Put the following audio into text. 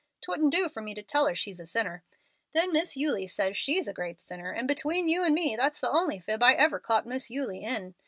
'Twouldn't do for me to tell her she's a 'sinner.' Then Miss Eulie says she's a 'great sinner,' and between you and me that's the only fib I ever caught Miss Eulie in.